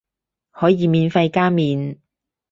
可以免費加麵